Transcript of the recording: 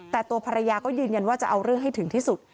แต่ตัวภรรยาก็ยืนยันว่าจะเอาเรื่องให้ถึงที่สุด